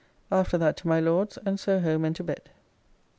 After that to my Lord's and so home and to bed.